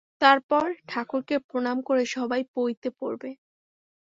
তারপর ঠাকুরকে প্রণাম করে সবাই পৈতে পরবে।